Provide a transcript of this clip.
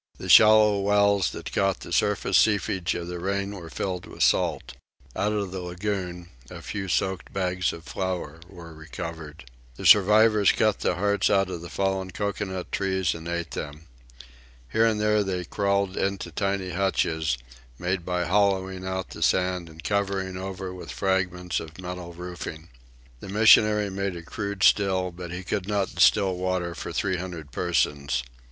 The shallow wells that caught the surface seepage of the rain were filled with salt. Out of the lagoon a few soaked bags of flour were recovered. The survivors cut the hearts out of the fallen cocoanut trees and ate them. Here and there they crawled into tiny hutches, made by hollowing out the sand and covering over with fragments of metal roofing. The missionary made a crude still, but he could not distill water for three hundred persons.